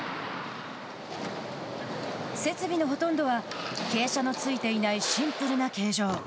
設備のほとんどは傾斜のついていないシンプルな形状。